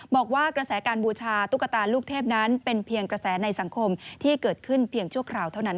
บอกว่ากระแสการบูชาตุ๊กตาลูกเทพนั้นเป็นเพียงกระแสในสังคมที่เกิดขึ้นเพียงชั่วคราวเท่านั้น